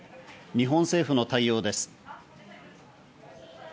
日本政府の対応です。